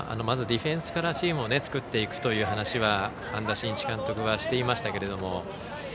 まずディフェンスからチームを作っていくという話は半田真一監督はしていましたけれども。